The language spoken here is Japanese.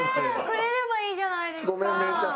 くれればいいじゃないですか！